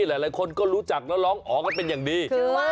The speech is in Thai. หลายคนก็รู้จักแล้วร้องอ๋อกันเป็นอย่างดี